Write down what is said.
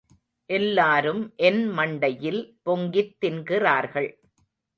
எல்லாரும் என் மண்டையில் பொங்கித் தின்கிறார்கள்.